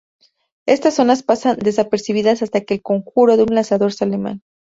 Estas zonas pasan desapercibidas hasta que el conjuro de un lanzador sale mal.